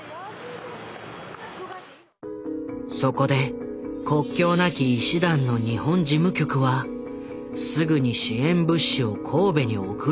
そこで国境なき医師団の日本事務局はすぐに支援物資を神戸に送ろうと動いた。